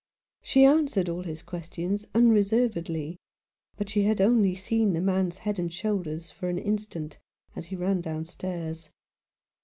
She answered all his questions unreservedly; but she had only seen the man's head and shoulders for an instant, as he ran downstairs.